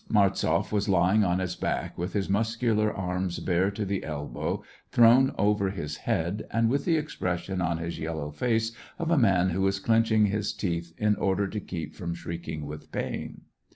Martzoff was lying on his back, with his muscular arms, bare to the elbow, thrown over his head, and with the expression on his yel low face of a man who is clenching his teeth in order to keep from shrieking with pain.